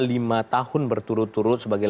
lima tahun berturut turut sebagai